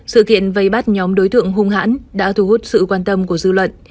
sự kiện vây bắt nhóm đối tượng hung hãn đã thu hút sự quan tâm của dư luận